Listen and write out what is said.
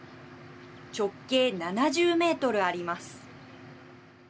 直径７０メートルあります。